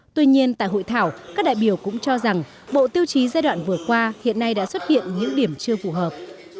tuy nhiên tại hội thảo các đại biểu cũng cho rằng bộ tiêu chí giai đoạn vừa qua hiện nay đã xuất hiện những điểm chưa phù hợp